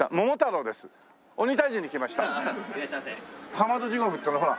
「かまど地獄」っていうのはほら